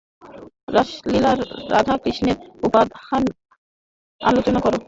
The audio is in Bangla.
রাসলীলায় রাধাকৃষ্ণের উপাখ্যান আলোচনা কর।